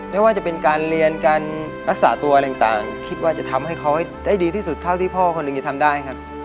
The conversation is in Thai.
ไม่ว่าจะเป็นการเรียนการรักษาตัวอะไรต่างคิดว่าจะทำให้เขาได้ดีที่สุดเท่าที่พ่อคนหนึ่งจะทำได้ครับ